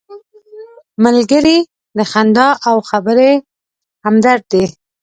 ملګری د خندا او خبرې همدرد دی